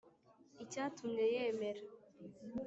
icyatumye yemera